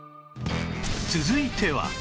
続いては